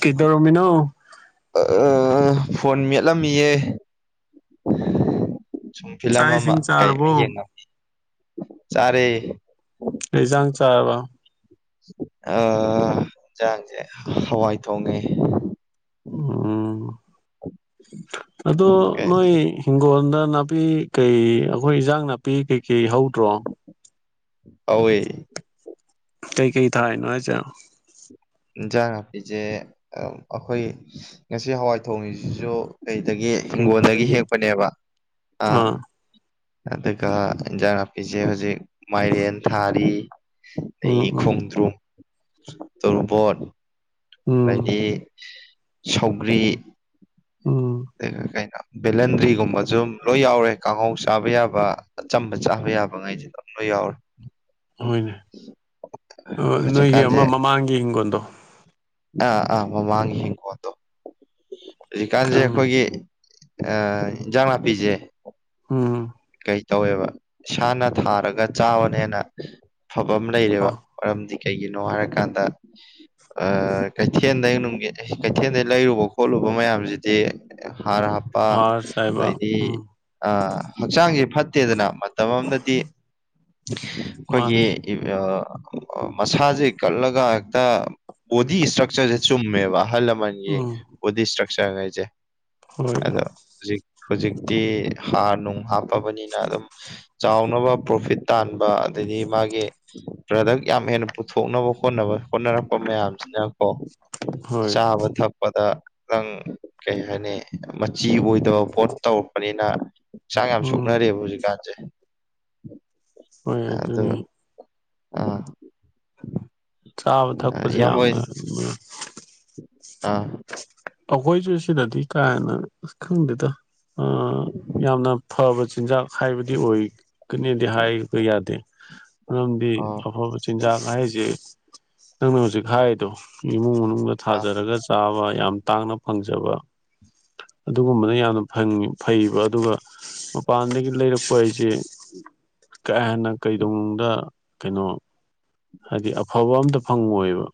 ꯀꯗꯔꯃꯤꯅꯣ ꯑ ꯐꯣꯟ ꯃꯦꯠꯂꯝꯃꯤꯌꯦ ꯁꯨꯝ ꯐꯤꯂꯝ ꯆꯥꯛ ꯑꯃ ꯏꯁꯤꯡ ꯀꯩꯃ ꯆꯥꯔꯕꯣ ꯌꯦꯡꯉꯃꯤ ꯆꯥꯔꯦ ꯂꯩꯖꯥꯡ ꯆꯥꯔꯕ ꯑ ꯌꯦꯟꯁꯥꯡꯁꯦ ꯍꯋꯥꯏ ꯊꯣꯡꯉꯦ ꯎꯝ ꯑꯗꯣ ꯅꯣꯏ ꯍꯤꯡꯒꯣꯜꯗ ꯅꯥꯄꯤ ꯀꯩ ꯑꯩꯈꯣꯏ ꯏꯟꯖꯥꯡ ꯅꯥꯄꯤ ꯀꯩꯀꯩ ꯍꯧꯗ꯭ꯔꯣ ꯍꯧꯋ ꯀꯩ ꯀꯩ ꯊꯥꯏꯅꯣ ꯆ ꯏꯟꯖꯥꯡ ꯅꯥꯄꯤꯁꯦ ꯑꯩꯈꯣꯏ ꯉꯁꯤ ꯍꯋꯥꯏ ꯊꯣꯡꯉꯁꯤꯁꯨ ꯀꯩꯗꯒꯤ ꯍꯤꯡꯒꯣꯣꯟꯗꯒꯤ ꯍꯤꯡꯒꯣꯜꯗꯒꯤ ꯍꯦꯛꯄꯅꯦꯕ ꯑꯥ ꯑꯗꯨꯒ ꯏꯟꯖꯥꯡ ꯅꯥꯄꯤꯁꯦ ꯍꯧꯖꯤꯛ ꯃꯥꯏꯔꯦꯟ ꯊꯥꯔꯤ ꯎꯝ ꯑꯩ ꯎꯝ ꯈꯣꯡꯗ꯭ꯔꯨꯝ ꯇꯣꯔꯨꯕꯣꯣꯟ ꯎꯝ ꯍꯥꯏꯗꯤ ꯁꯧꯒ꯭ꯔꯤ ꯎꯝ ꯂꯩ ꯀꯥꯏꯅ ꯚꯦꯂꯟꯗ꯭ꯔꯤꯒꯨꯝꯕꯁꯨ ꯑꯗꯨ ꯂꯣꯏ ꯌꯥꯎꯔꯦ ꯀꯥꯡꯍꯧ ꯆꯥꯕ ꯌꯥꯕ ꯑꯆꯝꯕ ꯆꯥꯕ ꯌꯥꯕ ꯉꯩꯁꯤꯗ ꯔ ꯍꯣꯏꯅꯦ ꯅꯣꯏꯒꯤ ꯍꯧꯖꯤꯛꯀꯥꯟꯁꯦ ꯑꯃ ꯃꯃꯥꯡꯒꯤ ꯍꯤꯡꯒꯣꯜꯗꯣ ꯑꯥ ꯑꯥ ꯃꯃꯥꯡꯒꯤ ꯍꯤꯡꯀꯣꯠꯇꯣ ꯍꯧꯖꯤꯛꯀꯥꯟꯁꯦ ꯈꯪꯉꯦ ꯑꯩꯈꯣꯏꯒꯤ ꯏꯟꯖꯥꯡ ꯅꯥꯄꯤꯁꯦ ꯎꯝ ꯀꯩ ꯇꯧꯋꯦꯕ ꯏꯁꯥꯅ ꯊꯥꯔꯒ ꯆꯥꯕꯅꯦꯅ ꯑꯐꯕ ꯑꯃ ꯂꯩꯔꯦꯕ ꯍꯥꯎ ꯃꯔꯝꯗꯤ ꯀꯩꯒꯤꯅꯣ ꯍꯥꯏꯔꯀꯥꯟꯗ ꯀꯩꯊꯦꯟꯗꯩ ꯅꯨꯡꯒꯤꯠ ꯀꯩꯊꯦꯜꯗꯩ ꯂꯩꯔꯨꯕ ꯈꯣꯠꯂꯨꯕ ꯃꯌꯥꯝꯁꯤꯗꯤ ꯍꯥꯔ ꯍꯥꯞꯄ ꯍꯥꯔ ꯆꯥꯏꯕ ꯑꯗꯩꯗꯤ ꯎꯝ ꯍꯛꯆꯥꯡꯁꯦ ꯐꯠꯇꯦꯗꯅ ꯃꯇꯝ ꯑꯃꯗꯗꯤ ꯃꯥꯅꯦ ꯑꯩꯈꯣꯏꯒꯤ ꯃꯁꯥꯁꯦ ꯀꯠꯂꯒ ꯍꯦꯛꯇ ꯕꯣꯗꯤ ꯏꯁꯇ꯭ꯔꯛꯆꯔꯁꯦ ꯆꯨꯝꯃꯦꯕ ꯑꯍꯜ ꯂꯃꯟ ꯎꯝ ꯕꯣꯗꯤ ꯏꯁꯇ꯭ꯔꯛꯆꯔ ꯍꯥꯏꯁꯦ ꯍꯣꯏ ꯑꯗꯣ ꯍꯧꯖꯤꯛ ꯍꯧꯖꯤꯛꯇꯤ ꯍꯥꯔ ꯅꯨꯡ ꯍꯥꯞꯄꯕꯅꯤꯅ ꯑꯗꯨꯝ ꯆꯥꯎꯅꯕ ꯄ꯭ꯔꯣꯐꯤꯠ ꯇꯥꯟꯕ ꯑꯗꯩꯗꯤ ꯃꯥꯒꯤ ꯄ꯭ꯔꯗꯛ ꯌꯥꯝ ꯍꯦꯟꯅ ꯄꯨꯊꯣꯛꯅꯕ ꯈꯣꯠꯅꯕ ꯍꯣꯠꯅꯔꯛꯄ ꯃꯌꯥꯝꯁꯤꯅꯀꯣ ꯍꯣꯏ ꯆꯥꯕ ꯊꯛꯄ ꯗ ꯈꯤꯇꯪ ꯀꯩ ꯍꯥꯏꯅꯤ ꯃꯆꯤ ꯑꯣꯏꯗꯕ ꯄꯣꯠ ꯇꯧꯔꯛꯄꯅꯤꯅ ꯍꯛꯆꯥꯡ ꯌꯥꯝ ꯎꯝ ꯁꯣꯛꯅꯔꯦꯑꯕ ꯍꯧꯖꯤꯛꯀꯥꯟꯁꯦ ꯍꯣꯏ ꯑ ꯑꯗꯨꯅꯤ ꯑꯥ ꯆꯥꯕ ꯊꯛꯄꯁꯦ ꯏꯌꯥꯝꯕ ꯍꯣꯏ ꯌꯥꯝꯅ ꯑꯥ ꯑꯩꯈꯣꯏꯁꯨꯦ ꯁꯤꯗꯗꯤ ꯀꯥ ꯍꯦꯟꯅ ꯑꯁ ꯈꯪꯗꯦꯗ ꯌꯥꯝꯅ ꯐꯕ ꯆꯤꯟꯖꯥꯛ ꯍꯥꯏꯕꯗꯤ ꯑꯣꯏ ꯀꯅꯦꯗꯤ ꯍꯥꯏꯕ ꯌꯥꯗꯦ ꯃꯔꯝꯗꯤ ꯑꯣ ꯑꯐꯕ ꯆꯤꯟꯖꯥꯛ ꯍꯥꯏꯁꯦ ꯅꯪꯅ ꯍꯧꯖꯤꯛ ꯍꯥꯏꯗꯣ ꯏꯃꯨꯡ ꯃꯅꯨꯡ ꯑꯥ ꯊꯥꯖꯔꯒ ꯆꯥꯕ ꯌꯥꯝ ꯇꯥꯡꯅ ꯐꯪꯖꯕ ꯑꯗꯨꯒꯨꯝꯕꯅ ꯌꯥꯝꯅ ꯐ ꯐꯩꯕ ꯑꯗꯨꯒ ꯃꯄꯥꯥꯟꯗꯒꯤꯗꯒꯤ ꯂꯩꯔꯄ ꯍꯥꯏꯁꯤꯦ ꯀꯥ ꯍꯦꯟꯅ ꯀꯩꯗꯧꯅꯨꯡꯗ ꯀꯩꯅꯣ ꯍꯥꯏꯗꯤ ꯑꯐꯕ ꯑꯝꯇ ꯐꯪꯉꯣꯏꯕ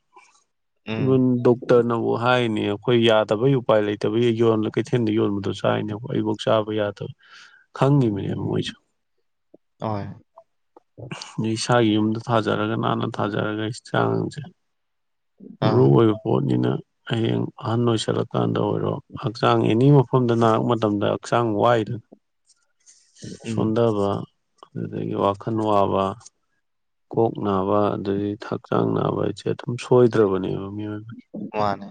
ꯎꯝ ꯏꯚꯟ ꯗꯣꯛꯇꯔꯅꯕꯨ ꯍꯥꯏꯅꯦ ꯑꯩꯈꯣꯏ ꯌꯥꯗꯕꯒꯤ ꯎꯄꯥꯏ ꯂꯩꯇꯕꯒꯤ ꯌꯣꯟꯕ ꯀꯩꯊꯦꯜꯗ ꯌꯣꯟꯕꯗꯣ ꯆꯥꯔꯤꯅꯦ ꯑꯩꯕꯨꯥꯎ ꯆꯥꯕ ꯌꯥꯗꯕ ꯈꯪꯤ ꯃꯅꯦ ꯑꯣꯏꯣꯏꯁꯨ ꯍꯣꯏ ꯑꯩ ꯏꯁꯥꯒꯤ ꯌꯨꯝꯗ ꯊꯥꯖꯔꯒ ꯅꯥꯟꯅ ꯊꯥꯖꯔꯒ ꯑꯩ ꯆꯥꯡꯪꯖꯩ ꯃꯔꯨ ꯑꯥ ꯑꯣꯏꯕ ꯄꯣꯠꯅꯤꯅ ꯍꯌꯦꯡ ꯑꯍꯟ ꯑꯣꯏꯁꯜꯂꯀꯥꯟꯗ ꯑꯣꯏꯔꯣ ꯍꯛꯆꯥꯡ ꯑꯦꯅꯤ ꯃꯐꯝꯗ ꯅꯥꯔꯛ ꯃꯇꯝꯗ ꯍꯛꯆꯥꯡ ꯋꯥꯏꯗꯅ ꯎꯝ ꯁꯣꯟꯊꯕ ꯑꯗꯨꯗꯒꯤ ꯋꯥꯈꯜ ꯋꯥꯕ ꯀꯣꯛ ꯅꯥꯕ ꯑꯗꯗꯒꯤ ꯍꯛꯆꯥꯡ ꯅꯥꯕ ꯍꯥꯏꯁꯦ ꯑꯗꯨꯝ ꯁꯣꯏꯗ꯭ꯔꯕꯅꯦꯕ ꯃꯤꯑꯣꯏ ꯃꯥꯅꯦ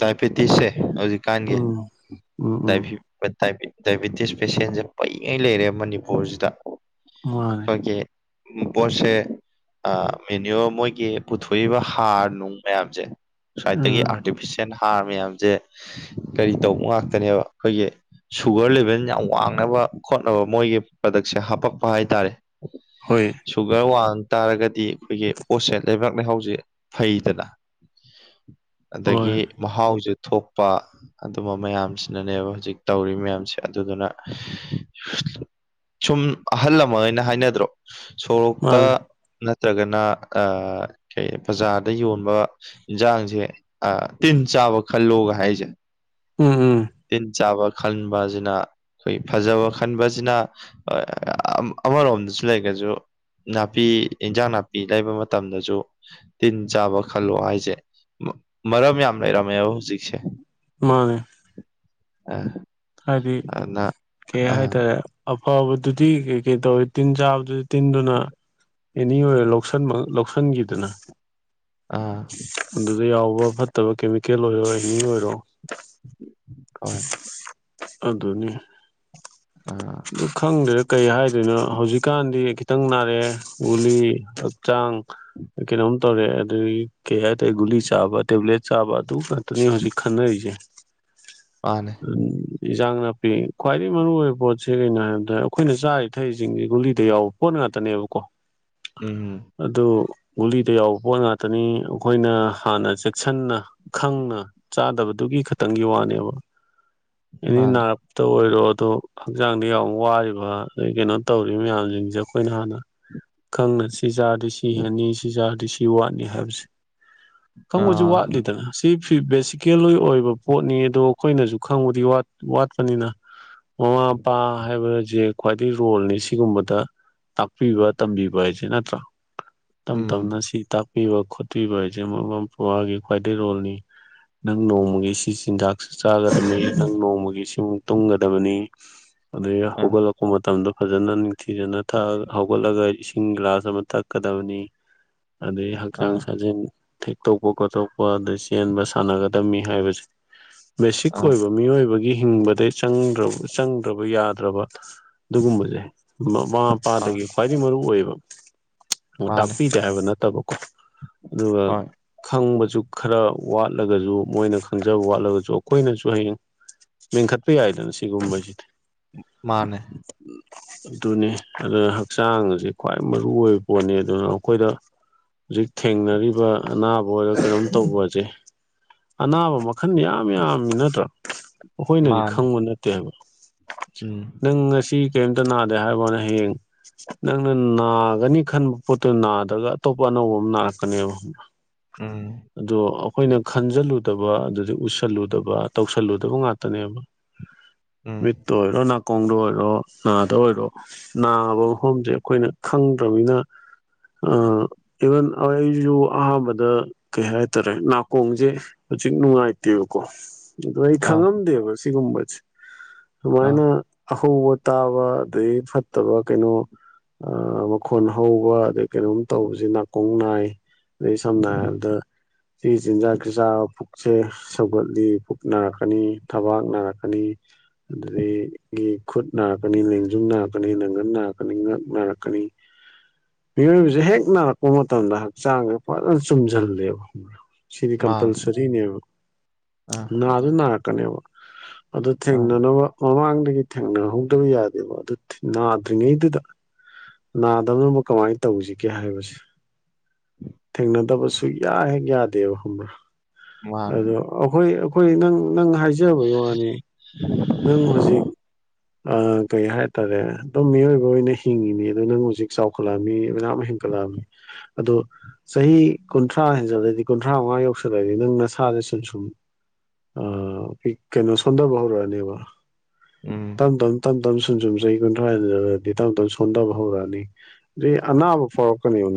ꯇꯥꯏꯐꯦ ꯇꯤꯁꯁꯦ ꯍꯧꯖꯤꯛꯀꯥꯟꯒꯤ ꯎꯝ ꯎꯝ ꯎꯝ ꯇꯕꯤ ꯗꯥꯏꯕꯤꯇꯤꯁ ꯄꯦꯁꯦꯟꯁꯦ ꯄꯩꯉꯩ ꯂꯩꯔꯦ ꯃꯅꯤꯄꯨꯔꯁꯤꯗ ꯃꯥꯅꯦ ꯀꯗꯒꯤ ꯄꯣꯁꯦ ꯃꯦꯅꯤꯌ ꯃꯣꯏꯒꯤ ꯄꯨꯊꯣꯛꯏꯕ ꯍꯥꯔ ꯅꯨꯡ ꯃꯌꯥꯝꯁꯦ ꯁ꯭ꯋꯥꯏꯠꯇꯒꯤ ꯎꯝ ꯑꯥꯔꯇꯤꯐꯤꯁꯦꯜ ꯍꯥꯔ ꯃꯌꯥꯝꯁꯦ ꯀꯔꯤ ꯇꯧꯕ ꯉꯥꯛꯇꯅꯦꯕ ꯑꯩꯈꯣꯏꯒꯤ ꯁꯨꯒꯔ ꯂꯦꯚꯦꯜ ꯌꯥꯝ ꯋꯥꯡꯅꯕ ꯈꯣꯠꯅꯕ ꯃꯣꯏꯒꯤ ꯄ꯭ꯔꯗꯛꯁꯦ ꯍꯥꯄꯛꯄ ꯍꯥꯏꯇꯥꯔꯦ ꯍꯣꯏ ꯁꯨꯒꯔ ꯋꯥꯡ ꯇꯥꯔꯒꯗꯤ ꯑꯩꯈꯣꯏꯒꯤ ꯄꯣꯠꯁꯦ ꯂꯩꯕꯥꯛ ꯂꯩꯍꯥꯎꯁꯦ ꯐꯩꯗꯅ ꯍꯣꯏ ꯑꯗꯒꯤ ꯃꯍꯥꯎꯁꯦ ꯊꯣꯛꯄ ꯑꯗꯨꯝꯕ ꯃꯌꯥꯝꯁꯤꯅꯅꯦꯕ ꯍꯧꯖꯤꯛ ꯇꯧꯔꯤ ꯃꯌꯥꯝꯁꯦ ꯑꯗꯨꯗꯨꯅ ꯁꯨꯝ ꯑꯍꯜ ꯑꯃ ꯑꯣꯏꯅ ꯍꯥꯏꯅꯗ꯭ꯔꯣ ꯁꯣꯔꯣꯛꯇ ꯃꯥꯅꯦ ꯅꯠꯇ꯭ꯔꯒꯅ ꯀꯩ ꯕꯖꯥꯔꯗ ꯌꯣꯟꯕ ꯏꯟꯁꯥꯡ ꯁꯦ ꯇꯤꯟ ꯆꯥꯕ ꯈꯜꯂꯣꯒ ꯍꯥꯏꯁꯦ ꯎꯝ ꯎꯝ ꯇꯤꯟ ꯆꯥꯕ ꯈꯟ ꯑꯁꯤꯅ ꯑꯩꯈꯣꯏ ꯐꯖꯕ ꯈꯟꯕꯁꯤꯅ ꯑꯃꯔꯣꯝꯗꯁꯨ ꯂꯩꯒꯁꯨ ꯅꯥꯄꯤ ꯏꯟꯖꯥꯡ ꯅꯥꯄꯤ ꯂꯩꯕ ꯃꯇꯝꯗꯁꯨ ꯇꯤꯟ ꯆꯥꯕ ꯈꯜꯂꯣ ꯍꯥꯏꯁꯦ ꯃꯔꯝ ꯌꯥꯝ ꯂꯩꯔꯝꯃꯦꯕ ꯍꯧꯖꯤꯛꯁꯦ ꯃꯥꯅꯦ ꯑ ꯍꯥꯏꯗꯤ ꯑꯗꯨꯅ ꯀꯩ ꯑꯥ ꯍꯥꯏꯇꯥꯔꯦ ꯑꯐꯕꯗꯨꯗꯤ ꯀꯩ ꯀꯩ ꯇꯧꯋꯤ ꯇꯤꯟ ꯆꯥꯕꯗꯨꯗꯤ ꯇꯤꯟꯗꯨꯅ ꯑꯦꯅꯤ ꯑꯣꯏꯔ ꯂꯧꯟꯕ ꯂꯧꯁꯤꯟꯈꯤꯗꯅ ꯑꯥ ꯑꯗꯨꯗ ꯌꯥꯎꯕ ꯐꯠꯇꯕ ꯀꯦꯃꯤꯀꯦꯜ ꯑꯣꯏꯔꯣ ꯑꯦꯅꯤ ꯑꯣꯏꯔꯣ ꯍꯣꯏ ꯑꯗꯨꯅꯤ ꯑꯣ ꯈꯪꯗ꯭ꯔꯦꯗ ꯀꯩ ꯍꯥꯏꯗꯣꯏꯅꯣ ꯍꯧꯖꯤꯛꯀꯥꯟꯗꯤ ꯈꯤꯇꯪ ꯅꯥꯔꯛꯑꯦ ꯒꯨꯂꯤ ꯍꯛꯆꯥꯡ ꯀꯩꯅꯣꯝ ꯇꯧꯔꯦꯗꯒꯤ ꯀꯩ ꯍꯥꯏꯇꯥꯔꯦ ꯒꯨꯂꯤ ꯆꯥꯕ ꯇꯦꯕ꯭ꯂꯦꯠ ꯆꯥꯕ ꯑꯗꯨ ꯇꯅꯤ ꯍꯧꯖꯤꯛ ꯈꯟꯅꯔꯤꯁꯦ ꯃꯥꯅꯦ ꯏꯟꯖꯥꯡ ꯅꯥꯄꯤ ꯈ꯭ꯋꯥꯏꯗꯒꯤ ꯃꯔꯨ ꯑꯣꯏꯕ ꯄꯣꯠꯁꯦ ꯀꯩꯅꯣ ꯍꯥꯏꯕꯗ ꯑꯩꯈꯣꯏꯅ ꯆꯥꯔꯤꯊꯩꯁꯤꯡꯁꯦ ꯒꯨꯂꯤꯗ ꯌꯥꯎꯕ ꯄꯣꯠ ꯉꯥꯛꯇꯅꯦꯕꯀꯣ ꯎꯝ ꯑꯗꯨ ꯒꯨꯂꯤꯗ ꯌꯥꯎꯕ ꯄꯣꯠ ꯉꯥꯛꯇꯅꯤ ꯑꯩꯈꯣꯏꯅ ꯍꯥꯟꯅ ꯆꯦꯛꯁꯤꯟꯅ ꯈꯪꯅ ꯆꯥꯗꯕꯗꯨꯒꯤ ꯈꯇꯪꯒꯤ ꯋꯥꯅꯦꯕ ꯑꯗꯒꯤ ꯃꯥꯅꯦ ꯅ꯭ꯔꯕꯇ ꯑꯣꯏꯔꯣ ꯑꯗꯨ ꯍꯛꯆꯥꯡꯗ ꯌꯥꯝ ꯋꯥꯔꯤꯕ ꯑꯗꯩ ꯀꯩꯅꯣ ꯇꯧꯔꯤꯕ ꯃꯌꯥꯝꯁꯤꯡꯁꯦ ꯑꯩꯈꯣꯏꯅ ꯍꯥꯟꯅ ꯈꯪꯅꯁꯤ ꯁꯤ ꯆꯖꯥꯔꯗꯤ ꯁꯤ ꯍꯦꯟꯅꯤ ꯁꯤ ꯆꯥꯔꯗꯤ ꯁꯤ ꯋꯥꯠꯅꯤ ꯍꯥꯏꯕꯁꯦ ꯈꯪꯕꯁꯨ ꯑꯥ ꯋꯥꯠꯂꯤꯗꯅ ꯁꯤ ꯕꯦꯁꯤꯀꯦꯜꯒꯤ ꯑꯣꯏꯕ ꯄꯣꯠꯅꯤ ꯑꯗꯣ ꯑꯩꯈꯣꯏꯅꯁꯨ ꯈꯪꯕꯨꯗꯤ ꯋꯥꯠꯄꯅꯤꯅ ꯃꯃꯥ ꯃꯄꯥ ꯍꯥꯏꯕꯖꯤ ꯈ꯭ꯋꯥꯏꯗꯩ ꯔꯣꯜꯅꯤ ꯁꯤꯒꯨꯝꯕꯗ ꯇꯥꯛꯄꯤꯕ ꯇꯝꯕꯤꯕ ꯍꯥꯏꯁꯦ ꯅꯠꯇ꯭ꯔꯥ ꯇꯞ ꯇꯞꯅ ꯎꯝ ꯁꯤ ꯇꯥꯛꯄꯤꯕ ꯈꯣꯠꯄꯤꯕ ꯍꯥꯏꯁꯦ ꯃꯃꯥ ꯃꯄꯥꯒꯤ ꯈ꯭ꯋꯥꯏꯗꯩ ꯔꯣꯜꯅꯤ ꯅꯪ ꯅꯣꯡꯃꯒꯤ ꯁꯤ ꯆꯤꯟꯖꯥꯛꯁꯤ ꯆꯥꯒꯗꯕꯅꯤ ꯅꯪ ꯅꯣꯡꯃꯒꯤ ꯁꯤꯃꯨꯛ ꯇꯨꯝꯒꯗꯕꯅꯤ ꯑꯗꯩ ꯑꯥ ꯍꯧꯒꯠꯂꯛ ꯂꯛꯄ ꯃꯇꯝꯗ ꯐꯖꯅ ꯅꯤꯡꯊꯤꯖꯅ ꯊꯛꯑ ꯍꯧꯒꯠꯂꯒ ꯏꯁꯤꯡ ꯒꯤꯂꯥꯁ ꯑꯃ ꯊꯛꯀꯗꯕꯅꯤ ꯑꯗꯩ ꯍꯛꯆꯥꯡ ꯑꯥ ꯁꯥꯖꯦꯟ ꯊꯦꯛꯇꯣꯛꯄ ꯈꯣꯠꯇꯣꯛꯄ ꯑꯗꯩ ꯆꯦꯟꯕ ꯁꯥꯟꯅꯒꯗꯝꯕꯅꯤ ꯍꯥꯏꯕꯁꯦ ꯕꯦꯁꯤꯛ ꯑꯥ ꯑꯣꯏꯕ ꯃꯤꯑꯣꯏꯕꯒꯤ ꯍꯤꯡꯕꯗꯩ ꯆꯪꯗ꯭ꯔꯕ ꯌꯥꯗ꯭ꯔꯕ ꯑꯗꯨꯒꯨꯝꯕꯁꯦ ꯃꯃꯥ ꯑꯥ ꯃꯄꯥꯗꯒꯤ ꯈ꯭ꯋꯥꯏꯗꯒꯤ ꯃꯔꯨ ꯑꯣꯏꯌꯦꯕ ꯃꯥꯅꯦ ꯇꯥꯛꯄꯤ ꯗꯦ ꯍꯥꯏꯕ ꯅꯠꯇꯕꯀꯣ ꯑꯗꯨꯒ ꯍꯣꯏ ꯈꯪꯕꯁꯨ ꯈꯔ ꯋꯥꯠꯂꯒꯁꯨ ꯃꯣꯏꯅ ꯈꯪꯖꯕ ꯋꯥꯠꯂꯒꯁꯨ ꯑꯩꯈꯣꯏꯅꯁꯨ ꯍꯌꯦꯡ ꯃꯦꯟꯈꯠꯄ ꯌꯥꯏꯗꯅ ꯁꯤꯒꯨꯝꯕꯁꯤꯗꯤ ꯃꯥꯅꯦ ꯎꯝ ꯑꯗꯨꯅꯤ ꯑꯗꯨꯅ ꯍꯛꯆꯥꯡ ꯑꯁꯤ ꯈ꯭ꯋꯥꯏ ꯃꯔꯨ ꯑꯣꯏꯕ ꯄꯣꯠꯅꯤ ꯑꯗꯨꯅ ꯑꯩꯈꯣꯏꯗ ꯍꯧꯖꯤꯛ ꯊꯦꯡꯅꯔꯤꯕ ꯑꯅꯥꯕ ꯑꯣꯏꯔꯣ ꯀꯩꯅꯣꯝ ꯇꯧꯕꯁꯦ ꯑꯅꯥꯕ ꯃꯈꯜ ꯌꯥꯝ ꯌꯥꯝꯃꯤ ꯅꯠꯇ꯭ꯔꯥ ꯑꯩꯈꯣꯏꯅꯗꯤ ꯃꯥꯅꯦ ꯈꯪꯕ ꯅꯠꯇꯦ ꯍꯥꯏꯕ ꯎꯝ ꯅꯪ ꯉꯁꯤ ꯀꯔꯤꯝꯇ ꯅꯥꯗꯦ ꯍꯥꯏꯕꯋꯥꯅꯦ ꯍꯌꯦꯡ ꯅꯪꯅ ꯅꯥꯒꯅꯤ ꯈꯟꯕ ꯄꯣꯠꯇꯨ ꯅꯥꯗ꯭ꯔꯒ ꯑꯇꯣꯞꯄ ꯑꯅꯧꯕ ꯑꯃ ꯅꯥꯔꯛꯀꯅꯦꯕ ꯍ ꯎꯝ ꯑꯗꯣ ꯑꯩꯈꯣꯏꯅ ꯈꯟꯖꯜꯂꯨꯗꯕ ꯑꯗꯨꯗꯩ ꯎꯁꯜꯂꯨꯗꯕ ꯇꯧꯁꯜꯂꯨꯗꯕ ꯉꯥꯛꯇꯅꯦꯕ ꯎꯝ ꯃꯤꯠꯇ ꯑꯣꯏꯔꯣ ꯅꯥꯀꯣꯡꯗ ꯑꯣꯏꯔꯣ ꯅꯥꯗ ꯑꯣꯏꯔꯣ ꯅꯥꯕ ꯃꯐꯝꯁꯦ ꯑꯩꯈꯣꯏꯅ ꯈꯪꯗ꯭ꯔꯃꯤꯅ ꯑ ꯏꯚꯟ ꯑꯩ ꯑꯩꯁꯨ ꯑꯍꯥꯟꯕꯗ ꯀꯩ ꯍꯥꯏꯇꯥꯔꯦ ꯅꯥꯀꯣꯡꯁꯦ ꯍꯧꯖꯤꯛ ꯅꯨꯡꯉꯥꯏꯇꯦꯕꯀꯣ ꯑꯗꯣ ꯑꯩ ꯑꯥ ꯈꯪꯉꯝꯗꯦꯕ ꯁꯤꯒꯨꯝꯕꯁꯦ ꯑꯥ ꯁꯨꯃꯥꯏꯅ ꯑꯍꯧꯕ ꯇꯥꯕ ꯑꯗꯒꯤ ꯐꯠꯇꯕ ꯀꯩꯅꯣ ꯃꯈꯣꯟ ꯍꯧꯕ ꯑꯗꯩ ꯀꯩꯅꯣꯝ ꯇꯧꯕꯁꯦ ꯅꯥꯀꯣꯡ ꯅꯥꯏ ꯑꯗꯩ ꯁꯝꯅ ꯍꯥꯏꯔꯕꯗ ꯁꯤ ꯆꯤꯟꯖꯥꯛ ꯆꯥꯕꯗ ꯄꯨꯛꯁꯦ ꯁꯧꯒꯠꯂꯤ ꯄꯨꯛ ꯅꯥꯔꯛꯀꯅꯤ ꯊꯕꯥꯛ ꯅꯥꯔꯛꯀꯅꯤ ꯑꯗꯨꯗꯒꯤ ꯒꯤ ꯈꯨꯠ ꯅꯥꯔꯛꯀꯅꯤ ꯂꯦꯡꯖꯨꯝ ꯅꯥꯔꯛꯀꯅꯤ ꯅꯪꯒꯟ ꯅꯥꯔꯛꯀꯅꯤ ꯉꯛ ꯅꯥꯔꯛꯀꯅꯤ ꯃꯤꯑꯣꯏꯕꯁꯦ ꯍꯦꯛ ꯅꯥꯔꯛꯄ ꯃꯇꯝꯗ ꯍꯛꯆꯥꯡꯁꯦ ꯐꯖꯅ ꯆꯨꯝꯁꯤꯜꯂꯦꯕ ꯁꯤꯗꯤ ꯃꯥꯅꯦ ꯀꯝꯄꯜꯁꯔꯤꯅꯦꯕ ꯑꯥ ꯅꯥꯗ ꯅꯥꯔꯛꯀꯅꯦꯕ ꯑꯗꯨ ꯑꯥ ꯊꯦꯡꯅꯅꯕ ꯃꯃꯥꯡꯗꯒꯤ ꯊꯦꯡꯅꯍꯧꯗꯕ ꯌꯥꯗꯦꯕ ꯑꯗꯨ ꯅꯥꯗ꯭ꯔꯤꯉꯩꯗꯨꯗ ꯅꯥꯗꯕꯅꯕ ꯀꯃꯥꯏꯅ ꯇꯧꯁꯤꯒꯦ ꯍꯥꯏꯕꯁꯦ ꯊꯦꯡꯅꯗꯕ ꯁꯨꯛꯌꯥ ꯍꯦꯛ ꯌꯥꯗꯦꯕ ꯈꯪꯕ꯭ꯔꯥ ꯃꯥꯅꯦ ꯑꯗꯣ ꯑꯩꯈꯣꯏ ꯑꯩꯈꯣꯏ ꯅꯪ ꯅꯪ ꯍꯥꯏꯖꯕꯒꯤ ꯋꯥꯅꯤ ꯅꯪ ꯍꯧꯖꯤꯛ ꯀꯩ ꯍꯥꯏꯇꯥꯔꯦ ꯑꯗꯨꯝ ꯃꯤꯑꯣꯏꯕ ꯑꯣꯏꯅ ꯍꯤꯡꯉꯤꯅꯤ ꯑꯗꯣ ꯅꯪ ꯍꯧꯖꯤꯛ ꯆꯥꯎꯈꯠꯂꯛꯑꯅꯤ ꯃꯌꯥꯝ ꯍꯦꯟꯒꯠꯂꯛꯑꯅꯤ ꯑꯗꯣ ꯆꯍꯤ ꯀꯨꯟꯊ꯭ꯔꯥ ꯍꯦꯟꯖꯂꯗꯤ ꯀꯨꯟꯊ꯭ꯔꯥ ꯃꯉꯥ ꯌꯧꯁꯜꯂꯛꯑꯗꯤ ꯅꯪ ꯅꯁꯥꯁꯦ ꯁꯨꯝ ꯁꯨꯝ ꯑ ꯀꯩꯅꯣ ꯁꯣꯟꯗꯕ ꯍꯧꯔꯛꯅꯦꯕ ꯎꯝ ꯇꯝ ꯇꯝ ꯇꯝ ꯇꯝ ꯁꯨꯝ ꯁꯨꯝ ꯆꯍꯤ ꯀꯨꯟꯊ꯭ꯔꯥꯗꯗꯤ ꯇꯞ ꯇꯞ ꯁꯣꯟꯊꯕ ꯍꯧꯔꯛꯑꯅꯤ ꯑꯅꯥꯕ ꯐꯥꯎꯔꯛꯀꯅꯤ ꯎ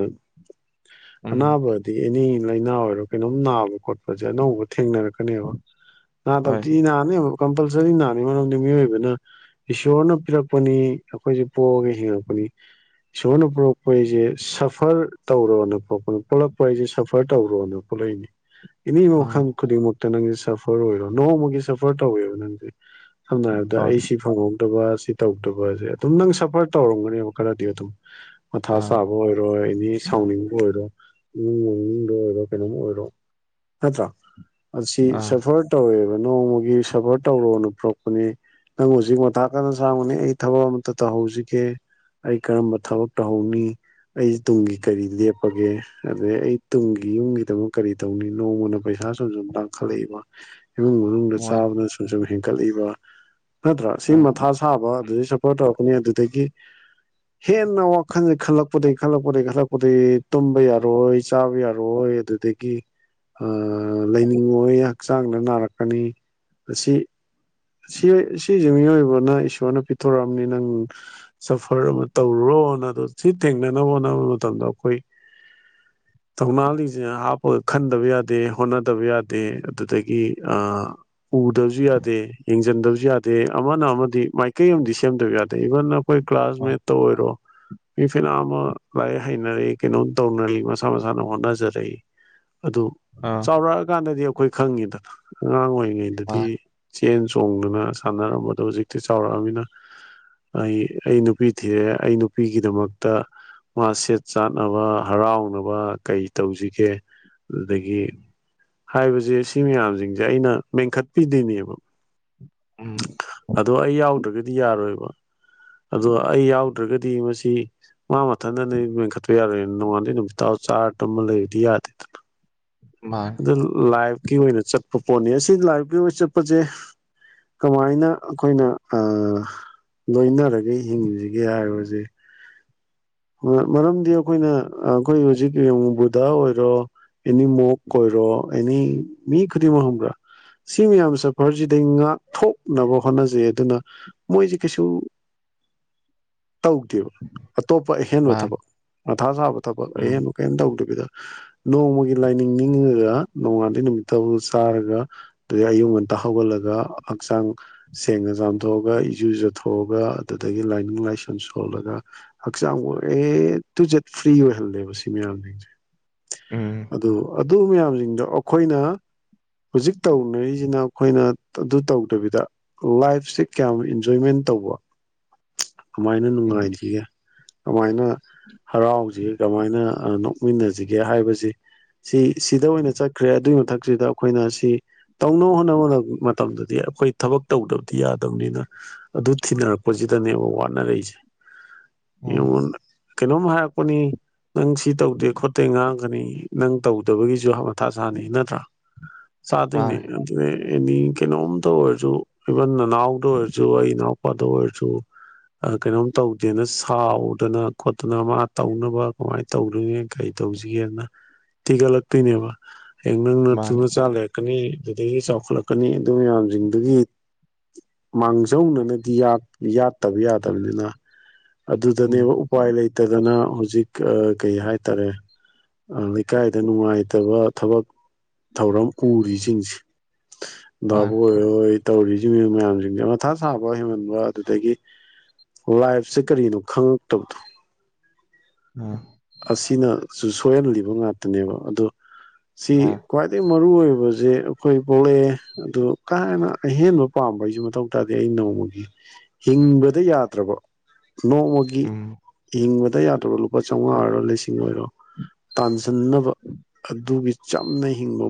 ꯎꯝ ꯑꯅꯥꯕꯗꯤ ꯑꯦꯅꯤ ꯂꯥꯏꯅꯥ ꯑꯣꯏꯔꯣ ꯀꯩꯅꯣꯝ ꯅꯥꯕ ꯈꯣꯠꯄꯁꯦ ꯑꯅꯧꯕ ꯊꯦꯡꯅꯔꯛꯄ ꯅꯥ ꯍꯣꯏ ꯀꯄꯜꯁꯔꯤꯅꯥ ꯃꯔꯝꯗꯤ ꯃꯤꯑꯣꯏꯕꯅ ꯏꯁꯣꯔꯅ ꯄꯤꯔꯛꯄꯅꯤ ꯑꯩꯈꯣꯏꯁꯦ ꯄꯣꯛꯑꯒ ꯍꯤꯡꯉꯛꯄꯅꯤ ꯏꯁꯣꯔꯅ ꯄꯨꯂꯛꯄ ꯑꯩꯁꯦ ꯁꯐꯔ ꯇꯧꯔꯣꯅ ꯈꯣꯄ ꯄꯂꯛꯄ ꯍꯥꯏꯁꯦ ꯁꯐꯔ ꯇꯧꯔꯣꯅ ꯊꯣꯛꯂꯛꯏꯅꯤ ꯑꯦꯅꯤ ꯑꯥ ꯃꯈꯜ ꯈꯨꯗꯤꯡꯃꯛꯇ ꯅꯪꯁꯦ ꯁꯐꯔ ꯑꯣꯏꯔꯣ ꯅꯣꯡꯃꯒꯤ ꯁꯐꯔ ꯇꯧꯋꯦꯕ ꯅꯪꯁꯦ ꯁꯝꯅ ꯍꯥꯏꯔꯕꯗ ꯍꯣꯏ ꯑꯩ ꯁꯤ ꯐꯪꯉ ꯁꯤ ꯇꯧꯗꯕꯁꯦ ꯑꯗꯨꯝ ꯅꯪ ꯁꯐꯔ ꯇꯧꯔꯝꯒꯅꯦꯕ ꯈꯔꯗꯤ ꯑꯗꯨꯝ ꯃꯊꯥ ꯑꯥ ꯆꯥꯕ ꯑꯣꯏꯔꯣꯏ ꯑꯦꯅꯤ ꯁꯥꯎꯅꯤꯡꯕ ꯑꯣꯏꯔꯣ ꯏꯃꯨꯡ ꯃꯅꯨꯡꯅꯤꯡꯗ ꯑꯣꯏꯔꯣ ꯀꯩꯅꯣꯝ ꯑꯣꯏꯔꯣ ꯅꯠꯇ꯭ꯔꯥ ꯑꯁꯤ ꯑꯥ ꯁꯐꯔ ꯇꯧꯔꯦꯕ ꯅꯣꯡꯃꯒꯤ ꯁꯐꯔ ꯇꯧꯔꯣꯅ ꯔꯛꯄꯅꯦ ꯅꯪ ꯍꯧꯖꯤꯛ ꯋꯥꯊꯥꯛ ꯀꯟꯅ ꯁꯥꯡꯕꯅꯦ ꯑꯩ ꯊꯕꯛ ꯑꯃꯇ ꯇꯧꯍꯧꯁꯤꯒꯦ ꯑꯩ ꯀꯔꯝꯕ ꯊꯕꯛ ꯇꯧꯍꯧꯅꯤ ꯑꯩꯁꯦ ꯇꯨꯡꯒꯤ ꯀꯔꯤ ꯂꯦꯞꯄꯒꯦ ꯑꯗꯩ ꯑꯩ ꯇꯨꯡꯒꯤ ꯌꯨꯝꯒꯤꯗꯃꯛ ꯀꯔꯤ ꯀꯩꯗꯧꯅꯤ ꯅꯣꯡꯃꯅ ꯄꯩꯁꯥ ꯁꯨꯝ ꯁꯨꯝ ꯇꯥꯡꯈꯠꯂꯛꯏꯕ ꯏꯃꯨꯡ ꯃꯅꯨꯡꯗ ꯍꯣꯏ ꯆꯥꯕꯅ ꯁꯨꯝ ꯁꯨꯝ ꯍꯦꯟꯀꯠꯂꯤꯛꯏꯕ ꯐꯠꯇ꯭ꯔꯥ ꯁꯤ ꯑꯥ ꯃꯊꯥ ꯁꯥꯕ ꯑꯗꯨꯗꯩ ꯁꯄꯣꯔꯠ ꯇꯧꯔꯛꯀꯅꯤ ꯑꯗꯨꯗꯒꯤ ꯍꯦꯟꯅ ꯋꯥꯈꯜꯁꯦ ꯈꯜꯂꯛꯄꯗꯒꯤꯩ ꯈꯜꯂꯛꯄꯗꯒꯤꯩ ꯈꯜꯂꯛꯄꯗꯒꯤꯩ ꯇꯨꯝꯕ ꯌꯥꯔꯣꯏ ꯆꯥꯕ ꯌꯥꯔꯣꯏ ꯑꯗꯨꯗꯒꯤ ꯂ ꯂꯩꯅꯤꯡꯉꯣꯏ ꯍꯛꯆꯥꯡꯗ ꯅꯥꯔꯛꯀꯅꯤ ꯑꯁꯤ ꯁꯤ ꯁꯤꯁꯦ ꯃꯤꯑꯣꯏꯕꯅ ꯏꯁꯣꯔꯅ ꯄꯤꯊꯣꯔꯛꯑꯕꯅꯤ ꯅꯪ ꯁꯐꯔ ꯑꯃ ꯇꯧꯔꯨꯔꯣꯅ ꯑꯗꯨ ꯁꯤ ꯊꯦꯡꯅꯅꯕ ꯍꯣꯠꯅꯕ ꯃꯇꯝꯗ ꯑꯩꯈꯣꯏ [unintelligible] ꯊꯧꯅꯥꯂꯤꯁꯤꯅ ꯍꯥꯞꯄꯒ ꯈꯟꯗꯕ ꯌꯥꯗꯦ ꯍꯣꯠꯅꯗꯕ ꯌꯥꯗꯦ ꯑꯗꯨꯗꯒꯤ ꯎꯗꯕꯁꯨ ꯌꯥꯗ ꯌꯥꯗ ꯌꯦꯡꯁꯤꯟꯗꯕꯁꯨ ꯌꯥꯗꯦ ꯑꯃꯅ ꯑꯃꯗꯤ ꯃꯥꯏꯀꯩ ꯑꯃꯗꯤ ꯁꯦꯝꯗꯕ ꯌꯥꯗꯦ ꯏꯕꯟ ꯑꯩꯈꯣꯏ ꯀ꯭ꯂꯥꯁ ꯍꯣꯏ ꯃꯠꯇ ꯑꯣꯏꯔꯣ ꯏ ꯐꯤꯜ ꯑꯃ ꯂꯥꯏ ꯍꯩꯅꯔꯛꯏ ꯀꯩꯅꯣꯝ ꯇꯧꯅꯔꯜꯂꯤ ꯃꯁꯥ ꯃꯁꯥꯅ ꯍꯣꯠꯅꯖꯔꯛꯏ ꯑꯗꯨ ꯑꯥ ꯆꯥꯎꯔꯛꯑꯀꯥꯟꯗꯗꯤ ꯑꯩꯈꯣꯏ ꯈꯪꯉꯤꯗꯅ ꯑꯉꯥꯡ ꯑꯣꯏꯔꯤꯉꯩꯗꯗꯤ ꯃꯥꯅꯦ ꯆꯦꯟ ꯆꯣꯡꯗꯨꯅ ꯁꯥꯟꯅꯔꯝꯕꯗꯣ ꯍꯧꯖꯤꯛꯇꯤ ꯆꯥꯎꯔꯛꯑꯃꯤꯅ ꯑꯩ ꯑꯩ ꯅꯨꯄꯤ ꯊꯤꯔꯛꯑꯦ ꯑꯩ ꯅꯨꯄꯤꯒꯤꯗꯃꯛꯇ ꯃꯥ ꯁꯦꯠ ꯆꯥꯅꯕ ꯍꯔꯥꯎꯅꯕ ꯀꯩ ꯇꯧꯁꯤꯒꯦ ꯑꯗꯨꯗꯒꯤ ꯍꯥꯏꯕꯁꯦ ꯁꯤ ꯃꯌꯥꯝꯁꯤꯡꯁꯦ ꯑꯩꯅ ꯃꯦꯟꯈꯠꯄꯤꯗꯣꯏꯅꯦꯕ ꯑ ꯎꯝ ꯑꯗꯣ ꯑꯩ ꯌꯥꯎꯗ꯭ꯔꯒꯗꯤ ꯌꯥꯔꯣꯏꯕ ꯑꯗꯣ ꯑꯩ ꯌꯥꯎꯗ꯭ꯔꯒꯗꯤ ꯃꯁꯤ ꯃꯥ ꯃꯊꯟꯗ ꯅ ꯃꯦꯟꯈꯠꯄ ꯌꯥꯔꯣꯏꯅ ꯅꯣꯡꯉꯥꯟꯗꯩ ꯅꯨꯃꯤꯇꯥꯎ ꯆꯥꯔ ꯇꯝꯕ ꯂꯩꯔꯗꯤ ꯌꯥꯗꯦꯗ꯭ꯔꯥ ꯃꯥ ꯂꯥꯏꯚꯀꯤ ꯑꯣꯏꯅ ꯆꯠꯄ ꯄꯣꯠꯅꯤ ꯑꯁꯤ ꯂꯥꯏꯕꯀꯤ ꯑꯣꯏꯅ ꯆꯠꯄꯁꯦ ꯀꯃꯥꯏꯅ ꯑꯩꯈꯣꯏꯅ ꯂꯣꯏꯅꯔꯒ ꯍꯤꯡꯁꯤꯒꯦ ꯍꯥꯏꯕꯁꯦ ꯎ ꯃꯔꯝꯗꯤ ꯑꯩꯈꯣꯏꯅ ꯑꯩꯈꯣꯏ ꯍꯧꯖꯤꯛ ꯌꯦꯡꯉꯨ ꯕꯨꯙ ꯑꯣꯏꯔꯣ ꯏꯅꯤꯃꯨ ꯀꯣꯏꯔꯣ ꯑꯦꯅꯦ ꯃꯤ ꯀꯇꯤꯃ ꯍꯨꯝꯒ꯭ꯔ ꯁꯤ ꯃꯌꯥꯝ ꯁꯐꯔꯁꯤꯗꯩ ꯉꯥꯛꯊꯣꯛꯅꯕ ꯍꯣꯠꯅꯖꯩ ꯑꯗꯨꯅ ꯃꯣꯏꯁꯤ ꯀꯩꯁꯨ ꯇꯧꯗꯦꯕ ꯑꯇꯣꯞꯄ ꯑꯍꯦꯟꯕ ꯃꯥꯅꯦ ꯊꯕꯛ ꯃꯊꯥ ꯁꯥꯕ ꯊꯕꯛ ꯎꯝ ꯑꯍꯦꯟꯕ ꯀꯩꯅꯝ ꯇꯧꯗꯕꯤꯗ ꯅꯣꯡꯃꯒꯤ ꯂꯥꯏꯅꯤꯡ ꯅꯤꯡꯉꯒ ꯅꯣꯡꯉꯥꯟꯗꯩ ꯅꯨꯃꯤꯠꯠꯇꯗ ꯆꯥꯔꯒ ꯑꯗꯨꯗꯩ ꯑꯌꯨꯛ ꯉꯟꯇ ꯍꯧꯒꯠꯂꯒ ꯍꯛꯆꯥꯡ ꯁꯦꯡꯅ ꯆꯥꯝꯊꯣꯛꯑꯒ ꯏꯖꯨ ꯆꯊꯣꯛꯑꯒ ꯑꯗꯨꯗꯒꯤ ꯂꯥꯏꯅꯤꯡ ꯂꯥꯏꯁꯣꯟ ꯁꯣꯜꯂꯒ ꯍꯛꯆꯥꯡꯕꯨ ꯑꯦ ꯇꯨ ꯖꯦꯠ ꯐ꯭ꯔꯤ ꯑꯣꯏꯍꯜꯂꯦꯕ ꯁꯤ ꯃꯌꯥꯝꯁꯤꯡꯁꯦ ꯎꯝ [unintelligible] [inaudible] ꯑꯗꯨ ꯑꯗꯨ ꯃꯌꯥꯝꯁꯤꯡꯗꯣ ꯑꯩꯈꯣꯏꯅ ꯍꯧꯖꯤꯛ ꯇꯧꯅꯔꯤꯁꯤꯅ ꯑꯩꯈꯣꯏꯅ ꯑꯗꯨ ꯇꯧꯗꯕꯤꯗ ꯂꯥꯏꯐꯁꯦ ꯀꯌꯥꯝ ꯏꯟꯖꯣꯏꯃꯦꯟ ꯇꯧꯕ ꯀꯃꯥꯏꯅ ꯎꯝ ꯅꯨꯡꯉꯥꯏꯈꯤꯒꯦ ꯀꯃꯥꯏꯅ ꯍꯔꯥꯎꯁꯤꯒꯦ ꯀꯃꯥꯏꯅ ꯅꯣꯛꯃꯤꯟꯅꯁꯤꯒꯦ ꯍꯥꯏꯕꯁꯤ ꯁꯤ ꯁꯤꯗ ꯑꯣꯏꯅ ꯆꯠꯈ꯭ꯔꯦ ꯑꯗꯨꯒꯤ ꯃꯊꯛꯁꯤꯗ ꯑꯩꯈꯣꯏꯅ ꯁꯤ ꯇꯧꯅꯕ ꯍꯣꯠꯅꯕ ꯃꯇꯝꯗꯗꯤ ꯑꯩꯈꯣꯏ ꯊꯕꯛ ꯇꯧꯗꯕꯗꯤ ꯌꯥꯗꯕꯅꯤꯅ ꯑꯗꯨ ꯊꯤꯅꯔꯛꯄꯁꯤꯗꯅꯦꯕ ꯋꯥꯅꯔꯛꯏꯁꯦ ꯎꯝ ꯌꯦꯡꯉꯣ ꯀꯩꯅꯣꯝ ꯍꯥꯏꯔꯛꯄꯅꯤ ꯅꯪ ꯁꯤ ꯇꯧꯗꯦ ꯈꯣꯠꯇꯦ ꯉꯥꯡꯒꯅꯤ ꯅꯪ ꯇꯧꯗꯕꯒꯤꯁꯨ ꯃꯊꯥ ꯁꯥꯥꯅꯤ ꯅꯠꯇ꯭ꯔꯥ ꯆꯥꯗꯣꯏꯅꯦ ꯃꯥꯅꯦ ꯑꯦꯅꯤ ꯀꯩꯅꯣꯝ ꯇꯧꯏꯔꯁꯨ ꯏꯕꯟ ꯅꯅꯥꯎꯗ ꯑꯣꯏꯔꯁꯨ ꯑꯩ ꯏꯅꯥꯎꯄꯗ ꯑꯣꯏꯔꯁꯨ ꯑꯥ ꯀꯩꯅꯣꯝ ꯇꯧꯗꯦꯅ ꯁꯥꯎꯗꯅ ꯈꯣꯠꯇꯅ ꯃꯥ ꯇꯧꯅꯕ ꯀꯃꯥꯏ ꯇꯧꯗ꯭ꯔꯤꯉꯦ ꯀꯩ ꯇꯧꯁꯤꯒꯦꯅ ꯇꯤꯒꯠꯂꯛꯇꯣꯏꯅꯦꯕ ꯍꯌꯦꯡ ꯅꯪ ꯅꯇꯨ ꯃꯥꯅꯦ ꯅꯆꯥ ꯂꯦ ꯀꯅꯤ ꯑꯗꯨꯗꯒꯤ ꯆꯥꯎꯈꯠꯂꯛꯀꯅꯤ ꯑꯗꯨ ꯃꯌꯥꯝꯁꯤꯡꯗꯨꯒꯤ ꯃꯥꯡꯖꯧꯅꯅꯗꯤ ꯌꯥꯠ ꯌꯥꯠꯇꯕ ꯌꯥꯗꯕꯅꯤꯅ ꯎꯝ ꯑꯗꯨꯗꯅꯦꯕ ꯎꯄꯥꯏ ꯂꯩꯇꯗꯅ ꯍꯧꯖꯤꯛ ꯑꯥ ꯀꯩꯍꯥꯏꯇꯥꯔꯦ ꯑꯥ ꯂꯩꯀꯥꯏꯗ ꯅꯨꯡꯉꯥꯏꯇꯕ ꯊꯕꯛ ꯊꯧꯔꯝ ꯄꯨꯔꯤꯁꯤꯡꯁꯤ ꯗꯥꯕꯣꯏ ꯍꯣꯏ ꯇꯧꯔꯤꯁꯤꯡ ꯃꯌꯥꯝꯁꯤꯡꯁꯦ ꯃꯊꯥ ꯁꯥꯕ ꯍꯦꯟꯃꯟꯕ ꯑꯗꯨꯗꯒꯤ ꯂꯥꯏꯐꯁꯦ ꯀꯔꯤꯅꯣ ꯈꯪꯉꯛꯇꯕꯗꯣ ꯑ [unintelligible] [inaudible] ꯑꯁꯤꯅꯁꯨ ꯁꯣꯏꯍꯜꯂꯤꯕ ꯉꯥꯛꯇꯅꯦꯕ ꯑꯗꯣ ꯁꯤ ꯈ꯭ꯋꯥꯏꯗꯒꯤ ꯃꯔꯨꯑꯣꯏꯔꯤꯕꯁꯦ ꯑꯩꯈꯣꯏ ꯄꯣꯛꯂꯛꯑꯦ ꯑꯗꯨ ꯀꯥ ꯍꯟꯅ ꯑꯍꯦꯟꯕ ꯄꯥꯝꯕꯩꯁꯨ ꯃꯊꯧ ꯇꯥꯗꯦ ꯑꯩ ꯅꯣꯡꯃꯒꯤ ꯍꯤꯡꯕꯗ ꯌꯥꯗ꯭ꯔꯕ ꯅꯣꯡꯃꯒꯤ ꯒꯤꯍꯤꯡꯕꯗ ꯌꯥꯗ꯭ꯔꯕ ꯂꯨꯄꯥ ꯆꯥꯝꯃꯉꯥ ꯑꯣꯏꯔꯣ ꯂꯤꯁꯤꯡ ꯑꯣꯏꯔꯣ ꯇꯥꯟꯁꯤꯟꯅꯕ ꯑꯗꯨꯒꯤ ꯆꯝꯅ ꯍꯤꯡꯕ